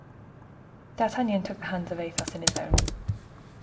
D'Artagnan took the hands of Athos in his own.